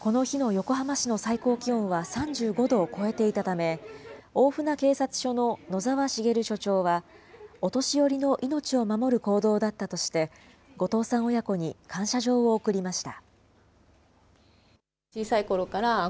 この日の横浜市の最高気温は、３５度を超えていたため、大船警察署の野澤茂署長は、お年寄りの命を守る行動だったとして、後藤さん親子に感謝状を贈りました。